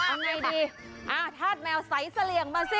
เอาในดีทาสแมวสายเสลี่ยงมาสิ